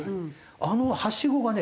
あのはしごがね